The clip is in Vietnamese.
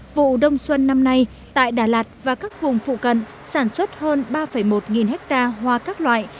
vụ đông xuân năm nay tại đà lạt và các vùng phụ cận sản xuất hơn ba một nghìn hectare hoa các loại